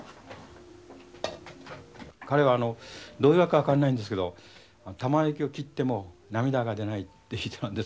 彼はどういうわけか分かんないんですけどたまねぎを切っても涙が出ないって人なんですね。